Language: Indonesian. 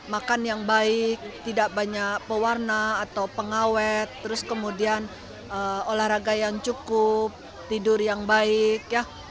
makan yang baik tidak banyak pewarna atau pengawet terus kemudian olahraga yang cukup tidur yang baik ya